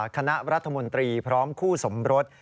คณะรัฐมนตรีพร้อมคู่สมรส